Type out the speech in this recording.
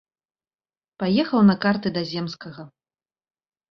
Паехаў на карты да земскага.